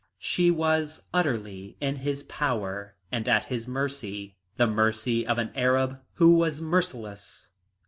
She was utterly in his power and at his mercy the mercy of an Arab who was merciless.